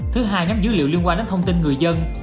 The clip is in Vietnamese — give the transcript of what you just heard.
thứ hai nhóm dữ liệu liên quan đến thông tin người dân